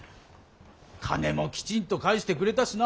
金もきちんと返してくれたしな。